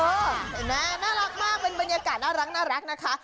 เห็นไหมน่ารักมากเป็นบรรยากาศน่ารักนะคะ